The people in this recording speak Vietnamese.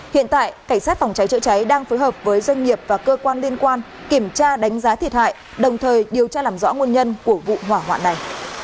hiện tại cảnh sát phòng cháy chữa cháy đang phối hợp với doanh nghiệp và cơ quan liên quan kiểm tra đánh giá thiệt hại đồng thời điều tra làm rõ nguồn nhân của vụ hỏa hoạn này